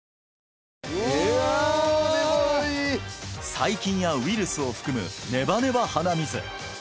細菌やウイルスを含むネバネバ鼻水